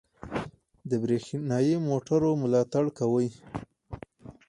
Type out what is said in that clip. د بریښنايي موټرو ملاتړ کوي.